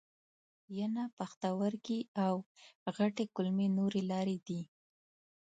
ینه، پښتورګي او غټې کولمې نورې لارې دي.